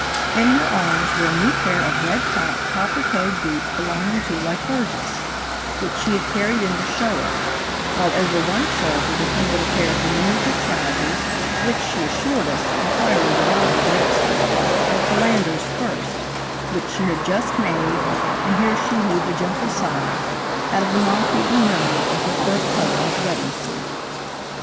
In her arms were a new pair of red topped, copper toed boots belonging to Lycurgus, which she had carried in to show us, while over one shoulder depended a pair of diminutive trousers, which, she assured us, entirely without embarrassment, were Philander's first, which she had just made (and here she heaved a gentle sigh) out of the moth eaten remnant of her first husband's wedding suit. STELLA.